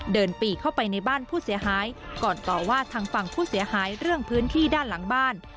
ปีเข้าไปในบ้านผู้เสียหายก่อนต่อว่าทางฝั่งผู้เสียหายเรื่องพื้นที่ด้านหลังบ้าน